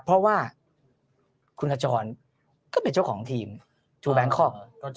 เพราะว่าคุณขจรก็เป็นเจ้าของทีมชูแบงคอก